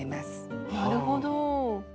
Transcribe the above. なるほど。